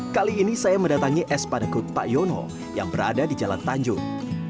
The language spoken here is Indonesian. kali ini saya mendatangi es padakut pak yono yang berada di jalan tanjung